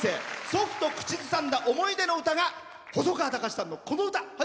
祖父と口ずさんだ思い出の歌が細川たかしさんのこの歌。